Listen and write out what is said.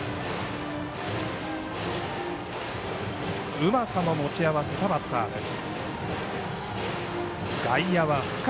うまさも持ち合わせたバッターです。